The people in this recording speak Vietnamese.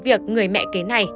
việc người mẹ kế này